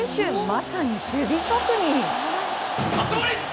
まさに守備職人！